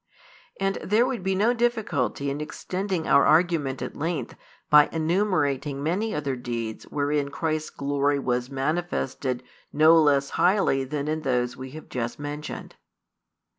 And there would be no difficulty in extending our argument at length by enumerating many other deeds wherein Christ's glory was manifested no less highly than in those we have just mentioned.